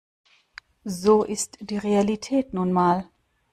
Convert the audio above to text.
So ist die Realität nun mal.